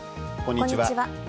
こんにちは。